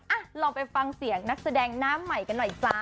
อ่ะลองไปฟังเสียงนักแสดงหน้าใหม่กันหน่อยจ้า